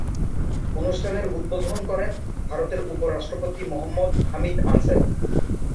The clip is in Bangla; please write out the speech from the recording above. অনুষ্ঠানের উদ্বোধন করেন ভারতের উপ-রাষ্ট্রপতি মহম্মদ হামিদ আনসারি।